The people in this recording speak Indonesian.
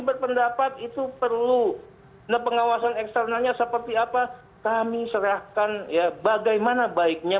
berpendapat itu perlu pengawasan eksternalnya seperti apa kami serahkan ya bagaimana baiknya